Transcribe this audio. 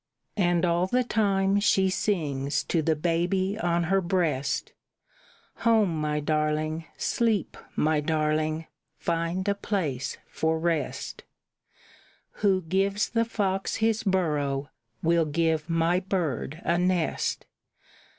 And all the time she sings to the baby on her breast, "Home, my darling, sleep, my darling, find a place for rest; Who gives the fox his burrow will give my bird a nest.